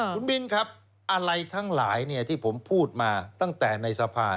คุณบินครับอะไรทั้งหลายที่ผมพูดมาตั้งแต่ในสภา